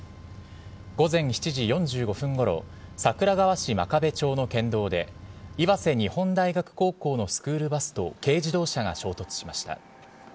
午前７時４５分ごろ、桜川市真壁町の県道で、岩瀬日本大学高校のスクールバスと軽自動車が衝突しました。